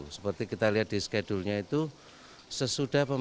seperti kita lihat di schedulenya itu